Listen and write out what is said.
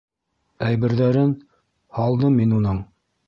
Әйберҙәрен... һалдым мин уның...